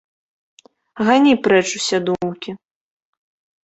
Гані прэч усе думкі.